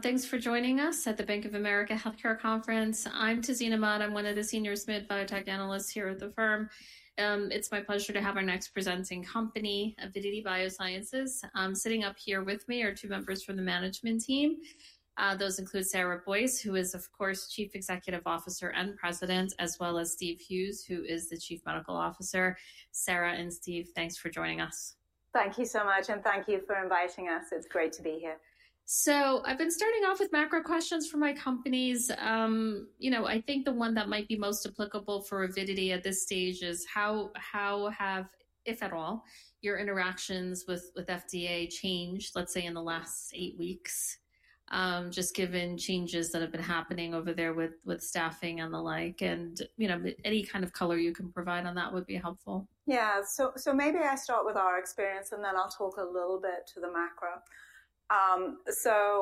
Thanks for joining us at the Bank of America Healthcare Conference. I'm Tiziana Mita. I'm one of the senior biotech analysts here at the firm. It's my pleasure to have our next presenting company, Avidity Biosciences. Sitting up here with me are two members from the management team. Those include Sarah Boyce, who is, of course, Chief Executive Officer and President, as well as Steve Hughes, who is the Chief Medical Officer. Sarah and Steve, thanks for joining us. Thank you so much, and thank you for inviting us. It's great to be here. I've been starting off with macro questions for my companies. You know, I think the one that might be most applicable for Avidity at this stage is how have, if at all, your interactions with FDA changed, let's say, in the last eight weeks, just given changes that have been happening over there with staffing and the like. You know, any kind of color you can provide on that would be helpful. Yeah, so maybe I start with our experience, and then I'll talk a little bit to the macro.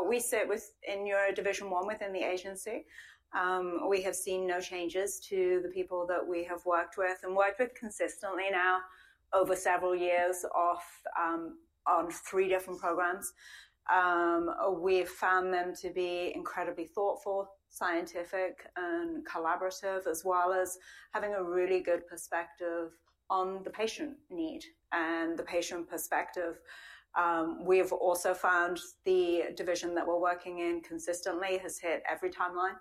We sit in your division one within the agency. We have seen no changes to the people that we have worked with and worked with consistently now over several years on three different programs. We have found them to be incredibly thoughtful, scientific, and collaborative, as well as having a really good perspective on the patient need and the patient perspective. We have also found the division that we're working in consistently has hit every timeline.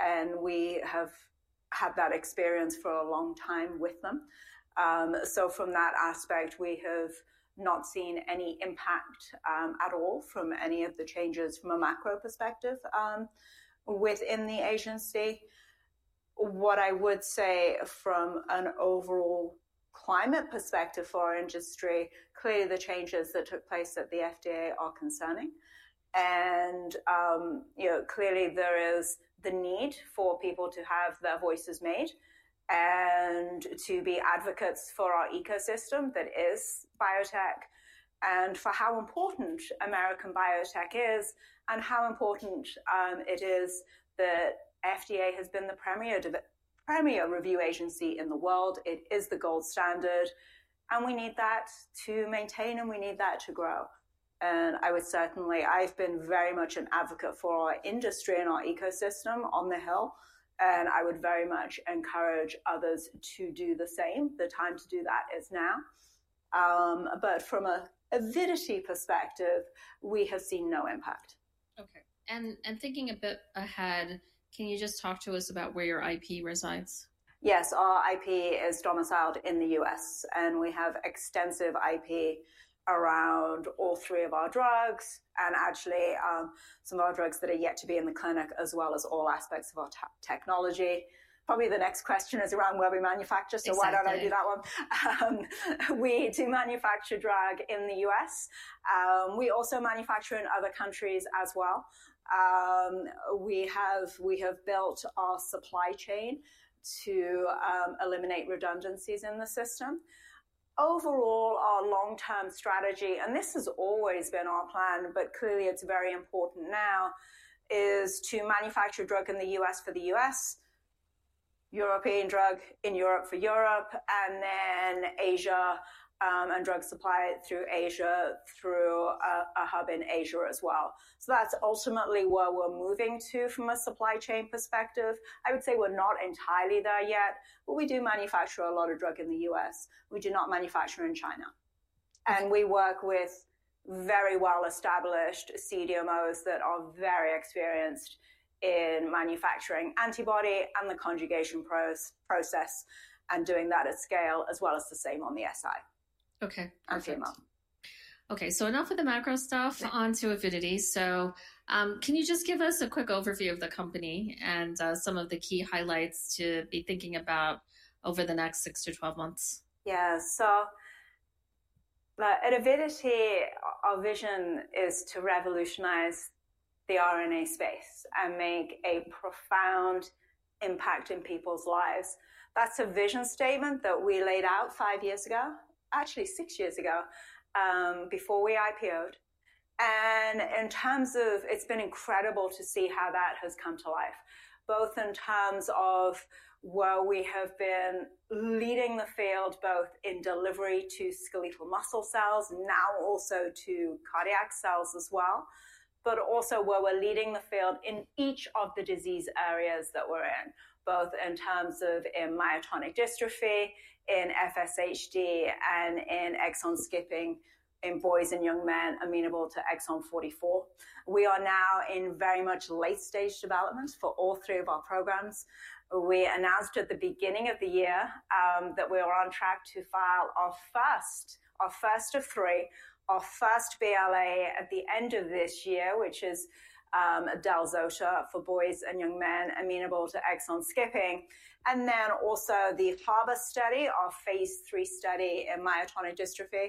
And we have had that experience for a long time with them. From that aspect, we have not seen any impact at all from any of the changes from a macro perspective within the agency. What I would say from an overall climate perspective for our industry, clearly the changes that took place at the FDA are concerning. You know, clearly there is the need for people to have their voices made and to be advocates for our ecosystem that is biotech and for how important American biotech is and how important it is that FDA has been the premier review agency in the world. It is the gold standard. We need that to maintain, and we need that to grow. I would certainly, I've been very much an advocate for our industry and our ecosystem on the Hill. I would very much encourage others to do the same. The time to do that is now. From an Avidity perspective, we have seen no impact. Okay. And thinking a bit ahead, can you just talk to us about where your IP resides? Yes, our IP is domiciled in the U.S., and we have extensive IP around all three of our drugs and actually some of our drugs that are yet to be in the clinic, as well as all aspects of our technology. Probably the next question is around where we manufacture. Why don't I do that one? We do manufacture drug in the U.S. We also manufacture in other countries as well. We have built our supply chain to eliminate redundancies in the system. Overall, our long-term strategy, and this has always been our plan, but clearly it's very important now, is to manufacture drug in the U.S. for the U.S., European drug in Europe for Europe, and then Asia and drug supply through Asia through a hub in Asia as well. That's ultimately where we're moving to from a supply chain perspective. I would say we're not entirely there yet, but we do manufacture a lot of drug in the U.S. We do not manufacture in China. We work with very well-established CDMOs that are very experienced in manufacturing antibody and the conjugation process and doing that at scale, as well as the same on the siRNA. Okay. And CML. Okay, so enough of the macro stuff onto Avidity. Can you just give us a quick overview of the company and some of the key highlights to be thinking about over the next 6 to 12 months? Yeah, so at Avidity, our vision is to revolutionize the RNA space and make a profound impact in people's lives. That's a vision statement that we laid out five years ago, actually six years ago before we IPOed. In terms of, it's been incredible to see how that has come to life, both in terms of where we have been leading the field, both in delivery to skeletal muscle cells, now also to cardiac cells as well, but also where we're leading the field in each of the disease areas that we're in, both in terms of in myotonic dystrophy, in FSHD, and in exon skipping in boys and young men amenable to exon 44. We are now in very much late-stage development for all three of our programs. We announced at the beginning of the year that we are on track to file our first, our first of three, our first BLA at the end of this year, which is del-zos-hma for boys and young men amenable to exon skipping. Also, the Harbor study, our phase III study in myotonic dystrophy.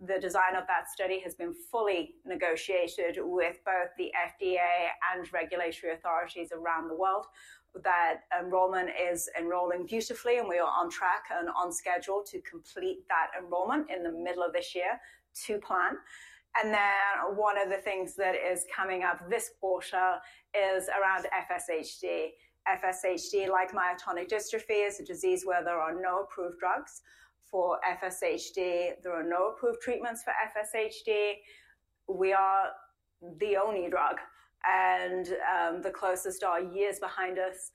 The design of that study has been fully negotiated with both the FDA and regulatory authorities around the world. That enrollment is enrolling beautifully, and we are on track and on schedule to complete that enrollment in the middle of this year to plan. One of the things that is coming up this quarter is around FSHD. FSHD, like myotonic dystrophy, is a disease where there are no approved drugs. For FSHD, there are no approved treatments for FSHD. We are the only drug, and the closest are years behind us.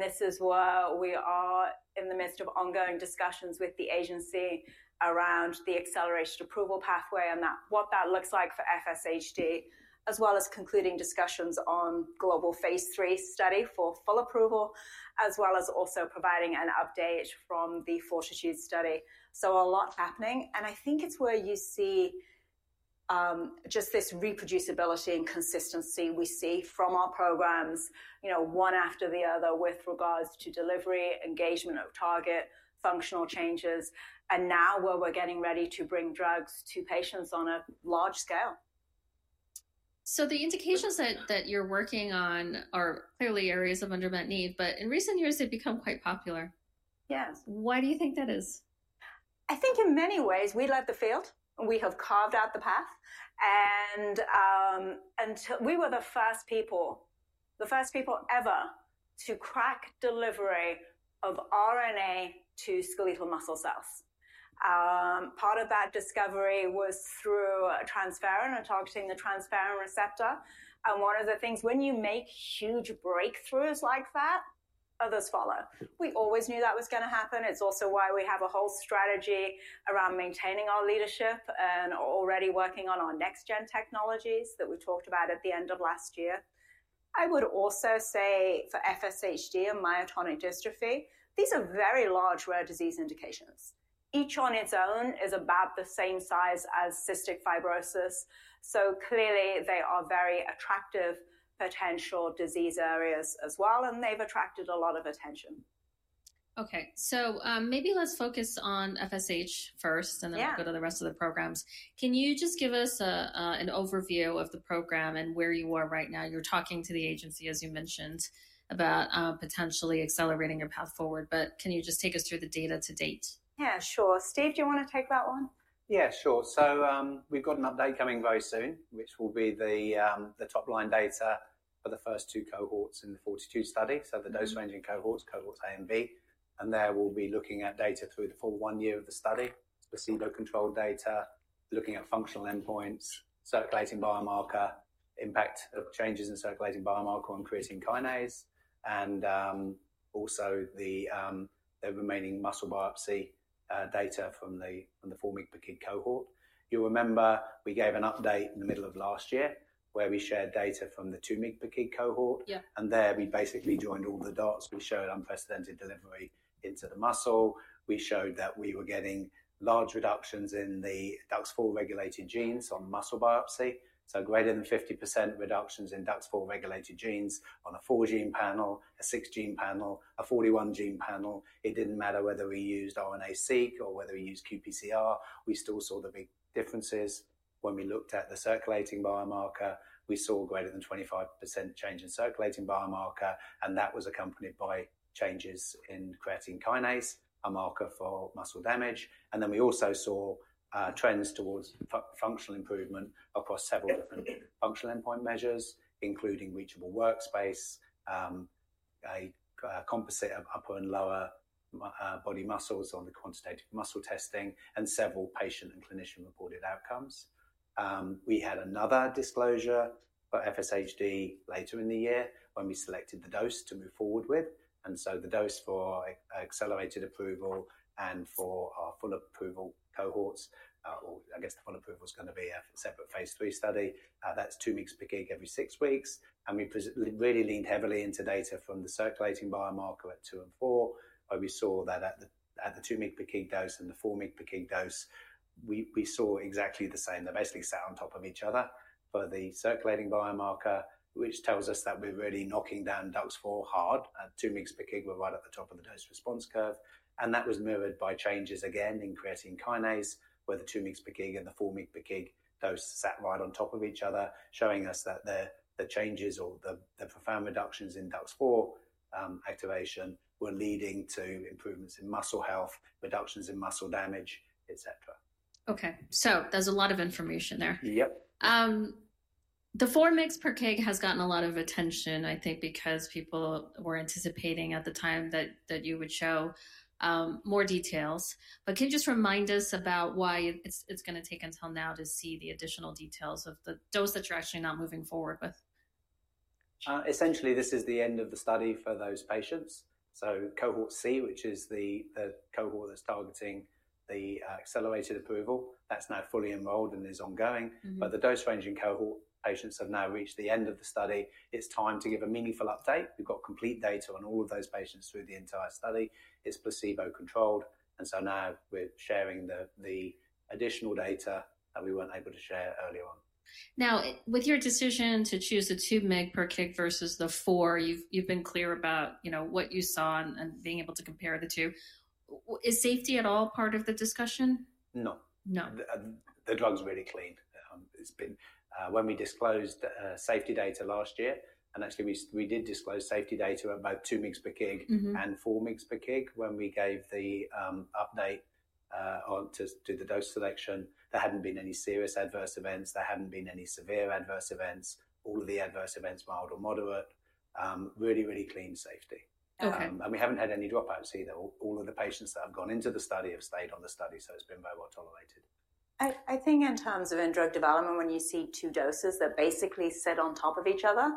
This is where we are in the midst of ongoing discussions with the agency around the accelerated approval pathway and what that looks like for FSHD, as well as concluding discussions on global phase three study for full approval, as well as also providing an update from the FORTITUDE study. A lot happening. I think it's where you see just this reproducibility and consistency we see from our programs, you know, one after the other with regards to delivery, engagement of target, functional changes, and now where we're getting ready to bring drugs to patients on a large scale. The indications that you're working on are clearly areas of Undermet need, but in recent years, they've become quite popular. Yes. Why do you think that is? I think in many ways, we love the field. We have carved out the path. We were the first people, the first people ever to crack delivery of RNA to skeletal muscle cells. Part of that discovery was through Transferrin and targeting the Transferrin receptor. One of the things, when you make huge breakthroughs like that, others follow. We always knew that was going to happen. It is also why we have a whole strategy around maintaining our leadership and already working on our next-gen technologies that we talked about at the end of last year. I would also say for FSHD and myotonic dystrophy, these are very large rare disease indications. Each on its own is about the same size as cystic fibrosis. Clearly, they are very attractive potential disease areas as well, and they have attracted a lot of attention. Okay, so maybe let's focus on FSHD first and then go to the rest of the programs. Can you just give us an overview of the program and where you are right now? You're talking to the agency, as you mentioned, about potentially accelerating your path forward, but can you just take us through the data to date? Yeah, sure. Steve, do you want to take that one? Yeah, sure. We've got an update coming very soon, which will be the top-line data for the first two cohorts in the FORTITUDE study. The dose-ranging cohorts, cohorts A and B. There we'll be looking at data through the full one year of the study, placebo-controlled data, looking at functional endpoints, circulating biomarker, impact changes in circulating biomarker on creatine kinase, and also the remaining muscle biopsy data from the four mg/kg cohort. You'll remember we gave an update in the middle of last year where we shared data from the two mg/kg cohort. There we basically joined all the dots. We showed unprecedented delivery into the muscle. We showed that we were getting large reductions in the DUX4-regulated genes on muscle biopsy. Greater than 50% reductions in DUX4-regulated genes on a four-gene panel, a six-gene panel, a 41-gene panel. It didn't matter whether we used RNA-Seq or whether we used qPCR, we still saw the big differences. When we looked at the circulating biomarker, we saw greater than 25% change in circulating biomarker, and that was accompanied by changes in creatine kinase, a marker for muscle damage. We also saw trends towards functional improvement across several different functional endpoint measures, including reachable workspace, a composite of upper and lower body muscles on the quantitative muscle testing, and several patient and clinician-reported outcomes. We had another disclosure for FSHD later in the year when we selected the dose to move forward with. The dose for accelerated approval and for our full approval cohorts, or I guess the full approval is going to be a separate phase III study. That's 2 mg/kg every six weeks. We really leaned heavily into data from the circulating biomarker at two and four, where we saw that at the 2 mg/kg dose and the 4 mg/kg dose, we saw exactly the same. They basically sat on top of each other for the circulating biomarker, which tells us that we're really knocking down DUX4 hard. At 2 mg/kg, we're right at the top of the dose response curve. That was mirrored by changes again in creatine kinase, where the 2 mg/kg and the 4 mg/kg dose sat right on top of each other, showing us that the changes or the profound reductions in DUX4 activation were leading to improvements in muscle health, reductions in muscle damage, etc. Okay, so there's a lot of information there. Yep. The four-megapaket has gotten a lot of attention, I think, because people were anticipating at the time that you would show more details. Can you just remind us about why it's going to take until now to see the additional details of the dose that you're actually not moving forward with? Essentially, this is the end of the study for those patients. Cohort C, which is the cohort that's targeting the accelerated approval, that's now fully enrolled and is ongoing. The dose-ranging cohort patients have now reached the end of the study. It's time to give a meaningful update. We've got complete data on all of those patients through the entire study. It's placebo-controlled. Now we're sharing the additional data that we weren't able to share earlier on. Now, with your decision to choose the two-megapaket versus the four, you've been clear about what you saw and being able to compare the two. Is safety at all part of the discussion? No. No. The drug's really clean. When we disclosed safety data last year, and actually we did disclose safety data at about 2 mg/kg and 4 mg/kg when we gave the update to the dose selection, there hadn't been any serious adverse events. There hadn't been any severe adverse events. All of the adverse events were mild or moderate. Really, really clean safety. We haven't had any dropouts either. All of the patients that have gone into the study have stayed on the study, so it's been very well tolerated. I think in terms of in drug development, when you see two doses that basically sit on top of each other,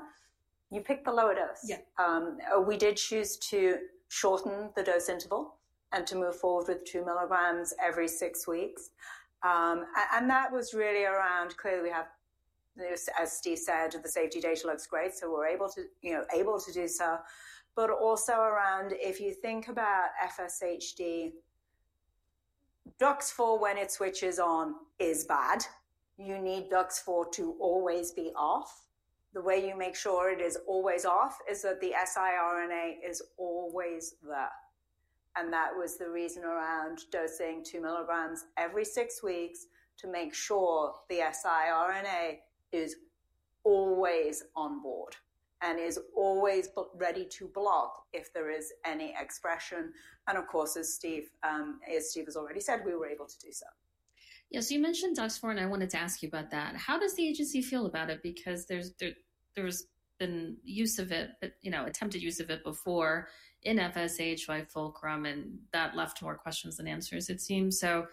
you pick the lower dose. We did choose to shorten the dose interval and to move forward with 2 milligrams every six weeks. That was really around, clearly we have, as Steve said, the safety data looks great, so we're able to do so. Also, if you think about FSHD, DUX4 when it switches on is bad. You need DUX4 to always be off. The way you make sure it is always off is that the siRNA is always there. That was the reason around dosing 2 milligrams every six weeks to make sure the siRNA is always on board and is always ready to block if there is any expression. Of course, as Steve has already said, we were able to do so. Yeah, so you mentioned DUX4, and I wanted to ask you about that. How does the agency feel about it? Because there's been use of it, attempted use of it before in FSHD by Fulcrum, and that left more questions than answers, it seems. So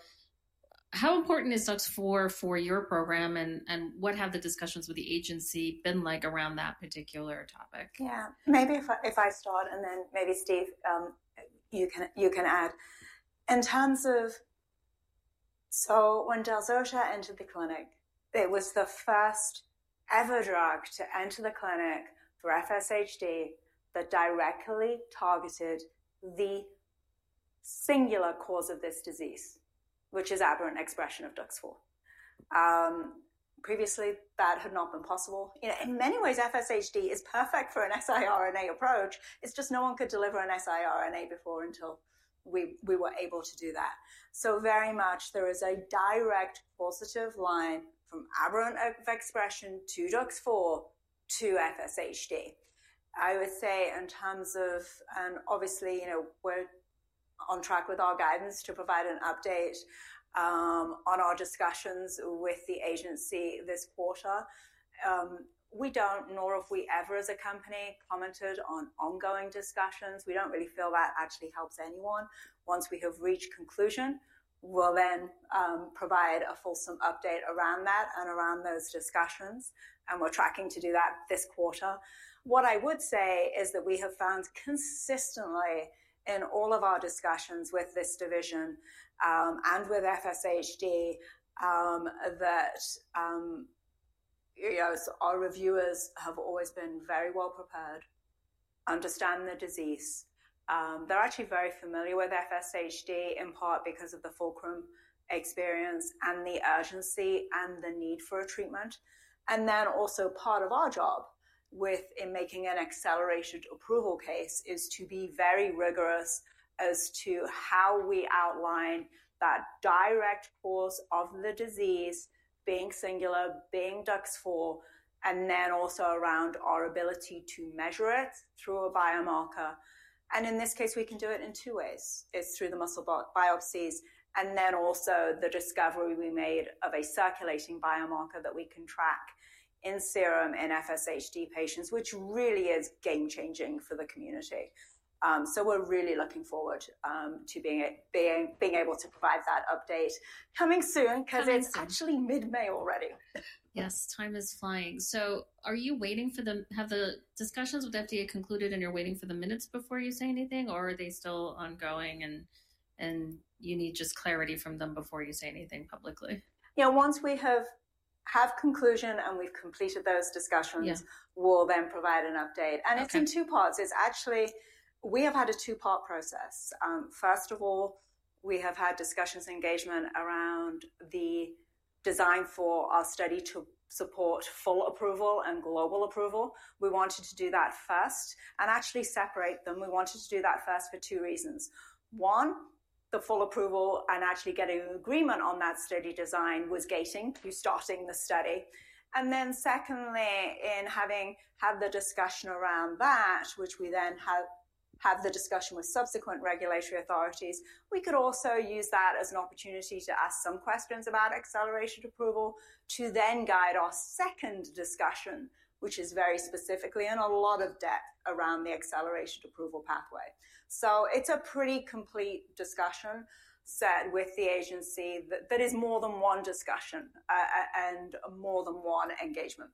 how important is DUX4 for your program, and what have the discussions with the agency been like around that particular topic? Yeah, maybe if I start, and then maybe Steve, you can add. In terms of, so when del-zota entered the clinic, it was the first ever drug to enter the clinic for FSHD that directly targeted the singular cause of this disease, which is aberrant expression of DUX4. Previously, that had not been possible. In many ways, FSHD is perfect for an siRNA approach. It's just no one could deliver an siRNA before until we were able to do that. Very much, there is a direct positive line from aberrant expression to DUX4 to FSHD. I would say in terms of, and obviously, we're on track with our guidance to provide an update on our discussions with the agency this quarter. We don't, nor have we ever as a company, commented on ongoing discussions. We don't really feel that actually helps anyone. Once we have reached conclusion, we'll then provide a fulsome update around that and around those discussions. We're tracking to do that this quarter. What I would say is that we have found consistently in all of our discussions with this division and with FSHD that our reviewers have always been very well prepared, understand the disease. They're actually very familiar with FSHD, in part because of the Fulcrum experience and the urgency and the need for a treatment. Also, part of our job with making an accelerated approval case is to be very rigorous as to how we outline that direct cause of the disease being singular, being DUX4, and then also around our ability to measure it through a biomarker. In this case, we can do it in two ways. It's through the muscle biopsies and then also the discovery we made of a circulating biomarker that we can track in serum in FSHD patients, which really is game-changing for the community. We are really looking forward to being able to provide that update coming soon because it's actually mid-May already. Yes, time is flying. Are you waiting for the have the discussions with FDA concluded and you're waiting for the minutes before you say anything, or are they still ongoing and you need just clarity from them before you say anything publicly? Yeah, once we have conclusion and we've completed those discussions, we'll then provide an update. It's in two parts. Actually, we have had a two-part process. First of all, we have had discussions and engagement around the design for our study to support full approval and global approval. We wanted to do that first and actually separate them. We wanted to do that first for two reasons. One, the full approval and actually getting an agreement on that study design was gating you starting the study. Secondly, in having had the discussion around that, which we then have the discussion with subsequent regulatory authorities, we could also use that as an opportunity to ask some questions about accelerated approval to then guide our second discussion, which is very specifically in a lot of depth around the accelerated approval pathway. It's a pretty complete discussion set with the agency that is more than one discussion and more than one engagement.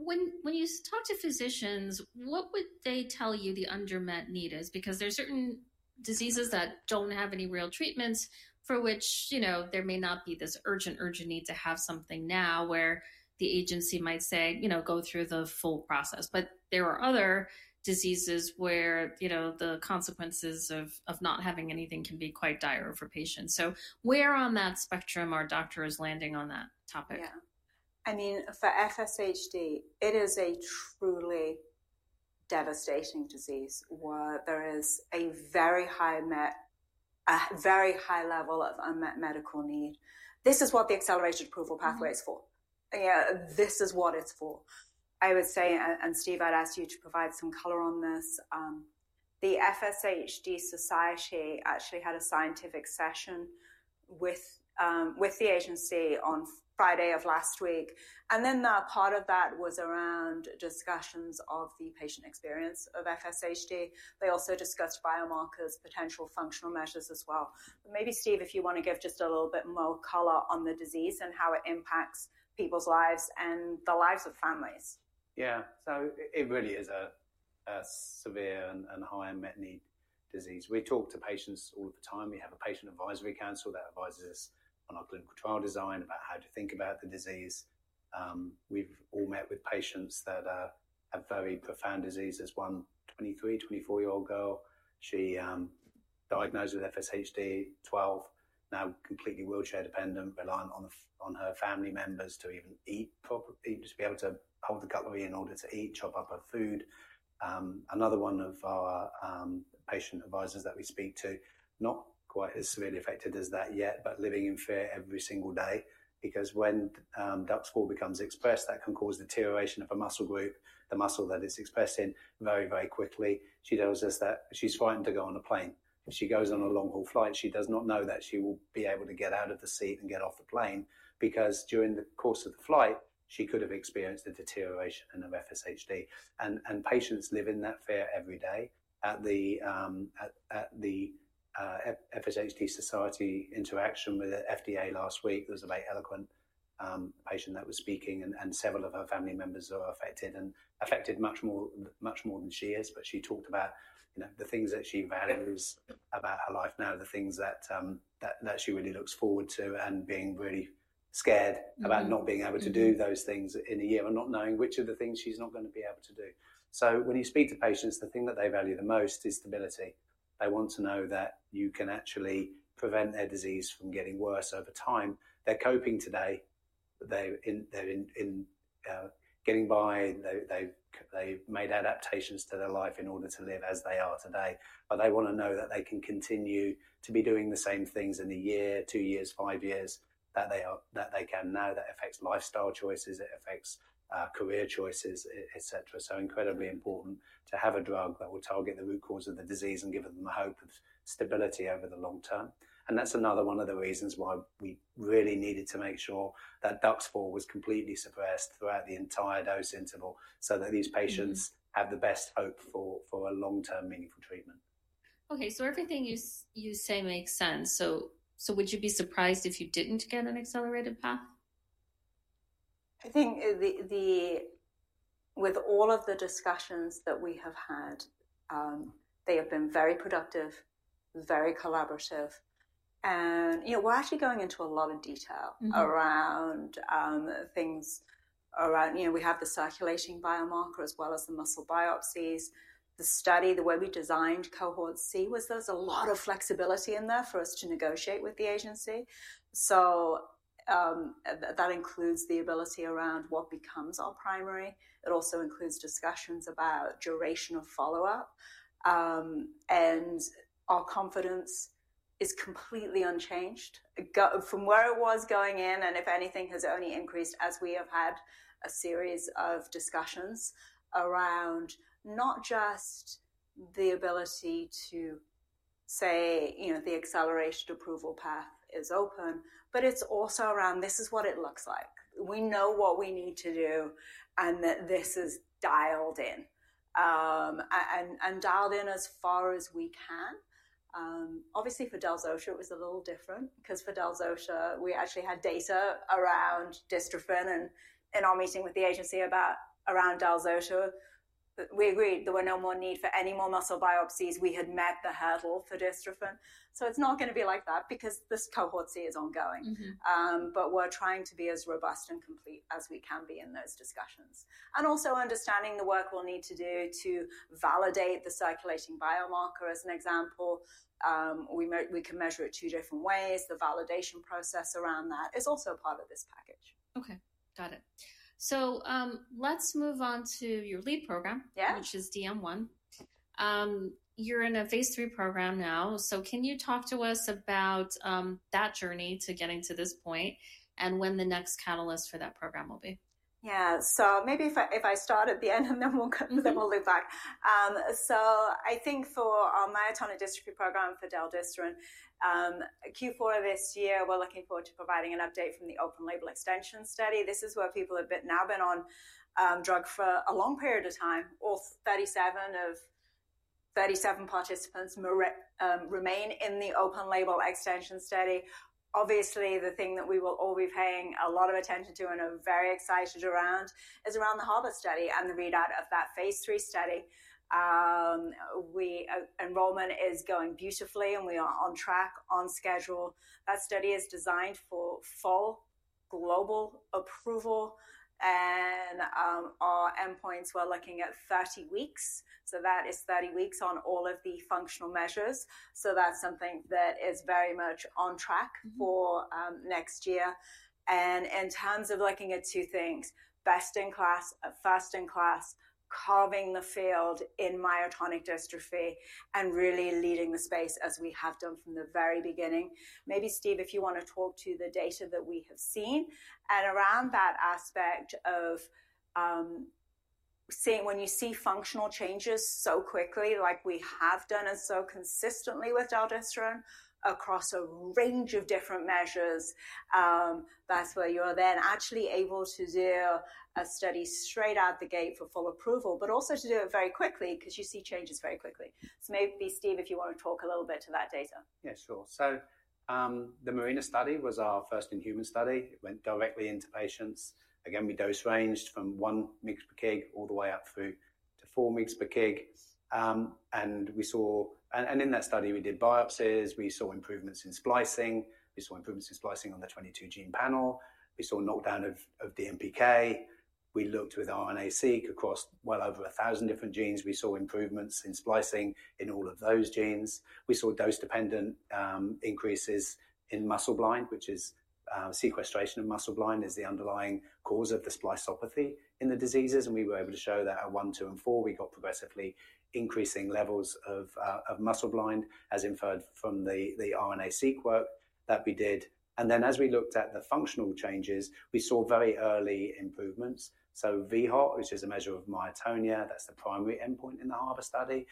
When you talk to physicians, what would they tell you the Undermet need is? Because there are certain diseases that do not have any real treatments for which there may not be this urgent, urgent need to have something now where the agency might say, go through the full process. There are other diseases where the consequences of not having anything can be quite dire for patients. Where on that spectrum are doctors landing on that topic? Yeah. I mean, for FSHD, it is a truly devastating disease where there is a very high level of unmet medical need. This is what the accelerated approval pathway is for. This is what it's for. I would say, and Steve, I'd ask you to provide some color on this. The FSHD Society actually had a scientific session with the agency on Friday of last week. That part of that was around discussions of the patient experience of FSHD. They also discussed biomarkers, potential functional measures as well. Maybe, Steve, if you want to give just a little bit more color on the disease and how it impacts people's lives and the lives of families. Yeah, so it really is a severe and high unmet need disease. We talk to patients all of the time. We have a patient advisory council that advises us on our clinical trial design about how to think about the disease. We've all met with patients that have very profound diseases. One 23, 24-year-old girl, she diagnosed with FSHD at 12, now completely wheelchair dependent, reliant on her family members to even eat, to be able to hold a cutlery in order to eat, chop up her food. Another one of our patient advisors that we speak to, not quite as severely affected as that yet, but living in fear every single day because when DUX4 becomes expressed, that can cause deterioration of a muscle group, the muscle that it's expressed in, very, very quickly. She tells us that she's frightened to go on a plane. If she goes on a long-haul flight, she does not know that she will be able to get out of the seat and get off the plane because during the course of the flight, she could have experienced a deterioration of FSHD. Patients live in that fear every day. At the FSHD Society interaction with the FDA last week, there was a very eloquent patient that was speaking, and several of her family members were affected and affected much more than she is. She talked about the things that she values about her life now, the things that she really looks forward to and being really scared about not being able to do those things in a year and not knowing which of the things she's not going to be able to do. When you speak to patients, the thing that they value the most is stability. They want to know that you can actually prevent their disease from getting worse over time. They're coping today. They're getting by. They've made adaptations to their life in order to live as they are today. They want to know that they can continue to be doing the same things in a year, two years, five years that they can now. That affects lifestyle choices. It affects career choices, etc. It is incredibly important to have a drug that will target the root cause of the disease and give them a hope of stability over the long term. That is another one of the reasons why we really needed to make sure that DUX4 was completely suppressed throughout the entire dose interval so that these patients have the best hope for a long-term meaningful treatment. Okay, so everything you say makes sense. Would you be surprised if you didn't get an accelerated path? I think with all of the discussions that we have had, they have been very productive, very collaborative. We are actually going into a lot of detail around things around we have the circulating biomarker as well as the muscle biopsies. The study, the way we designed cohort C was there is a lot of flexibility in there for us to negotiate with the agency. That includes the ability around what becomes our primary. It also includes discussions about duration of follow-up. Our confidence is completely unchanged from where it was going in. If anything, it has only increased as we have had a series of discussions around not just the ability to say the accelerated approval path is open, but it is also around this is what it looks like. We know what we need to do and that this is dialed in. We dialed in as far as we can. Obviously, for del-zosharin, it was a little different because for del-zosharin, we actually had data around dystrophin. In our meeting with the agency around del-zosharin, we agreed there was no more need for any more muscle biopsies. We had met the hurdle for dystrophin. It is not going to be like that because this cohort C is ongoing. We are trying to be as robust and complete as we can be in those discussions. We are also understanding the work we will need to do to validate the circulating biomarker as an example. We can measure it two different ways. The validation process around that is also part of this package. Okay, got it. Let's move on to your lead program, which is DM1. You're in a phase three program now. Can you talk to us about that journey to getting to this point and when the next catalyst for that program will be? Yeah, so maybe if I start at the end and then we'll loop back. I think for our myotonic dystrophy program for del-zosharin, Q4 of this year, we're looking forward to providing an update from the open label extension study. This is where people have now been on drug for a long period of time. All 37 participants remain in the open label extension study. Obviously, the thing that we will all be paying a lot of attention to and are very excited around is around the Harper study and the readout of that phase three study. Enrollment is going beautifully, and we are on track, on schedule. That study is designed for full global approval. Our endpoints, we're looking at 30 weeks. That is 30 weeks on all of the functional measures. That is something that is very much on track for next year. In terms of looking at two things, best in class, first in class, carving the field in myotonic dystrophy and really leading the space as we have done from the very beginning. Maybe Steve, if you want to talk to the data that we have seen and around that aspect of when you see functional changes so quickly, like we have done and so consistently with del-zosharin across a range of different measures, that's where you are then actually able to do a study straight out the gate for full approval, but also to do it very quickly because you see changes very quickly. Maybe Steve, if you want to talk a little bit to that data. Yeah, sure. The Marina study was our first in human study. It went directly into patients. Again, we dose ranged from 1 mg per kg all the way up through to 4 mg per kg. In that study, we did biopsies. We saw improvements in splicing. We saw improvements in splicing on the 22-gene panel. We saw knockdown of DMPK. We looked with RNA-Seq across well over 1,000 different genes. We saw improvements in splicing in all of those genes. We saw dose-dependent increases in muscleblind, which is sequestration of muscleblind as the underlying cause of the splicopathy in the diseases. We were able to show that at 1, 2, and 4, we got progressively increasing levels of muscleblind as inferred from the RNA-Seq work that we did. As we looked at the functional changes, we saw very early improvements. VHOT, which is a measure of myotonia, that's the primary endpoint in the Harper study.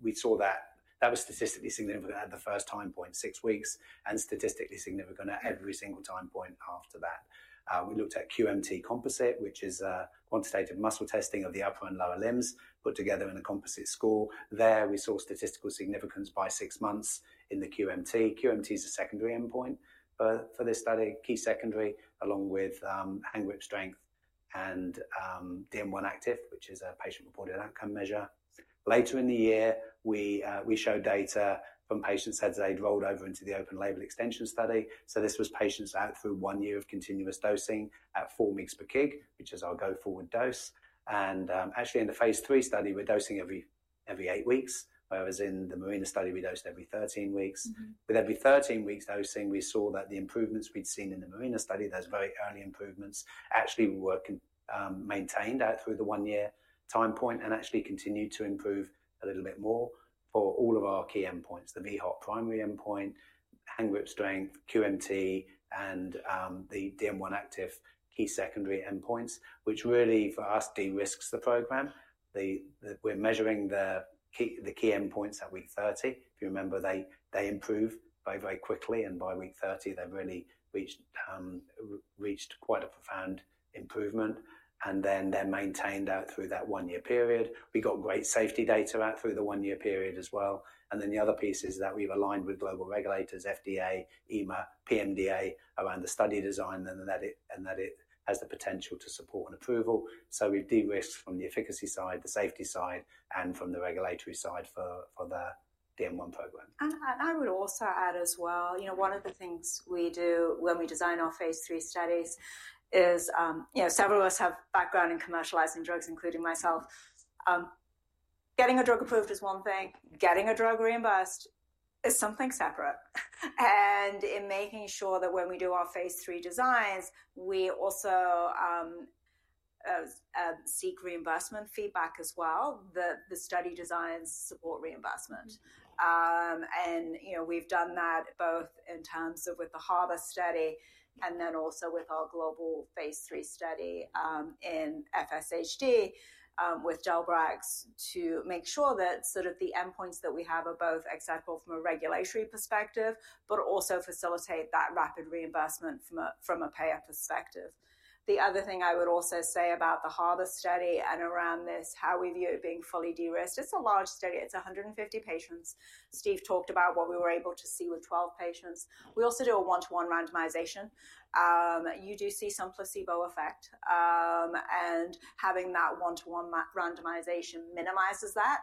We saw that that was statistically significant at the first time point, six weeks, and statistically significant at every single time point after that. We looked at QMT composite, which is quantitative muscle testing of the upper and lower limbs put together in a composite score. There we saw statistical significance by six months in the QMT. QMT is a secondary endpoint for this study, key secondary, along with hand grip strength and DM1 active, which is a patient-reported outcome measure. Later in the year, we showed data from patients that had rolled over into the open label extension study. This was patients out through one year of continuous dosing at 4 mg per kg, which is our go-forward dose. Actually in the phase III study, we're dosing every eight weeks, whereas in the Marina study, we dosed every 13 weeks. With every 13 weeks dosing, we saw that the improvements we'd seen in the Marina study, those very early improvements, actually were maintained out through the one-year time point and actually continued to improve a little bit more for all of our key endpoints, the VHOT primary endpoint, hand grip strength, QMT, and the DM1 active key secondary endpoints, which really for us de risks the program. We're measuring the key endpoints at week 30. If you remember, they improve very, very quickly. By week 30, they've really reached quite a profound improvement. They are maintained out through that one-year period. We got great safety data out through the one-year period as well. We have aligned with global regulators, FDA, EMA, PMDA around the study design and that it has the potential to support an approval. We have de-risked from the efficacy side, the safety side, and from the regulatory side for the DM1 program. I would also add as well, one of the things we do when we design our phase three studies is several of us have background in commercializing drugs, including myself. Getting a drug approved is one thing. Getting a drug reimbursed is something separate. In making sure that when we do our phase three designs, we also seek reimbursement feedback as well. The study designs support reimbursement. We have done that both in terms of with the Harper study and then also with our global phase three study in FSHD with del-zota to make sure that the endpoints that we have are both acceptable from a regulatory perspective, but also facilitate that rapid reimbursement from a payer perspective. The other thing I would also say about the Harper study and around this, how we view it being fully de-risked, it is a large study. It is 150 patients. Steve talked about what we were able to see with 12 patients. We also do a one-to-one randomization. You do see some placebo effect. Having that one-to-one randomization minimizes that.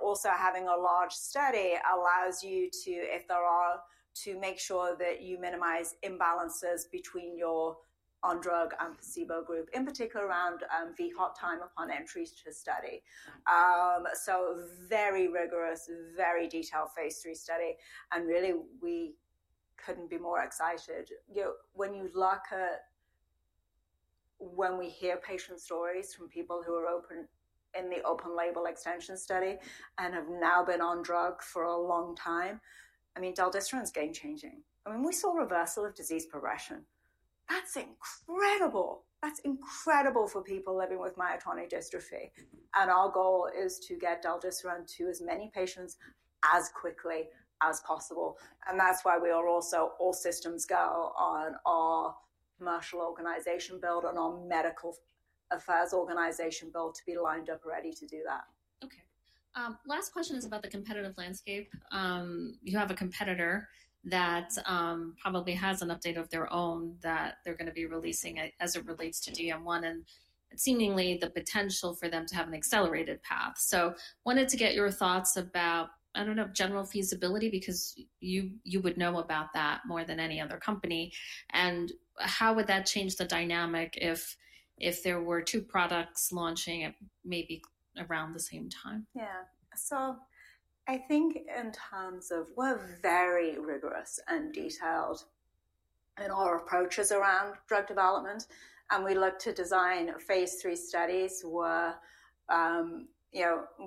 Also, having a large study allows you to, if there are, to make sure that you minimize imbalances between your on-drug and placebo group, in particular around VHOT time upon entry to study. Very rigorous, very detailed phase three study. Really, we could not be more excited. When you look at when we hear patient stories from people who are open in the open label extension study and have now been on drug for a long time, I mean, del-zosharin is game-changing. I mean, we saw reversal of disease progression. That is incredible. That is incredible for people living with myotonic dystrophy. Our goal is to get del-zosharin to as many patients as quickly as possible. That is why we are also all systems go on our Commercial Organization build and our Medical Affairs Organization build to be lined up ready to do that. Okay. Last question is about the competitive landscape. You have a competitor that probably has an update of their own that they're going to be releasing as it relates to DM1 and seemingly the potential for them to have an accelerated path. I wanted to get your thoughts about, I don't know, general feasibility because you would know about that more than any other company. How would that change the dynamic if there were two products launching at maybe around the same time? Yeah. I think in terms of we're very rigorous and detailed in our approaches around drug development. We look to design phase III studies where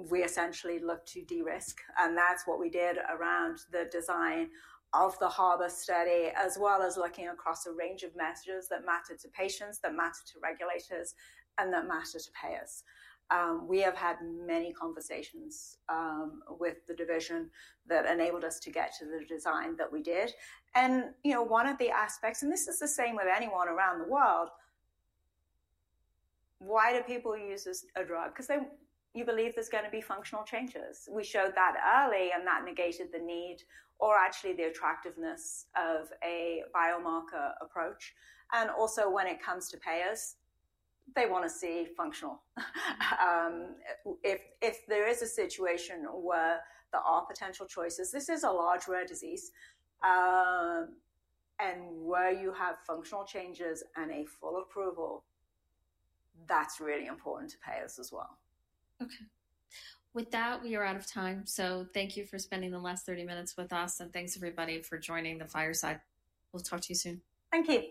we essentially look to de-risk. That's what we did around the design of the Harper study, as well as looking across a range of messages that matter to patients, that matter to regulators, and that matter to payers. We have had many conversations with the division that enabled us to get to the design that we did. One of the aspects, and this is the same with anyone around the world, why do people use a drug? Because you believe there's going to be functional changes. We showed that early and that negated the need or actually the attractiveness of a biomarker approach. Also, when it comes to payers, they want to see functional. If there is a situation where there are potential choices, this is a large rare disease. Where you have functional changes and a full approval, that's really important to payers as well. Okay. With that, we are out of time. Thank you for spending the last 30 minutes with us. Thanks, everybody, for joining the Fireside. We'll talk to you soon. Thank you.